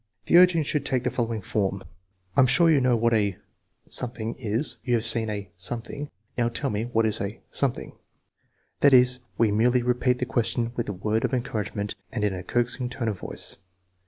The urging should take the following form: " 1 9 m sure you know what a .. .is. You have seen a ... Now 9 tell me, what is a ...?" That is, we merely repeat the question with a word of encouragement and in a coaxing tone of voice.